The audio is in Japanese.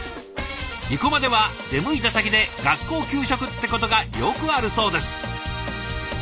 生駒では出向いた先で学校給食ってことがよくあるそうです。